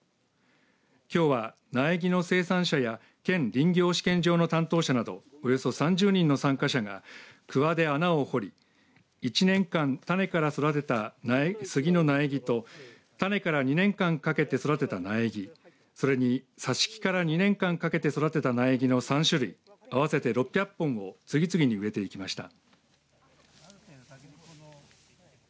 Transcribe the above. きょうは、苗木の生産者や県林業試験場の担当者などおよそ３０人の参加者がくわで穴を掘り１年間、種から育てた杉の苗木と種から２年間かけて育てた苗木それに、挿し木から２年間かけて育てた苗木の３種類合わせて６００本を次々に植えていきました。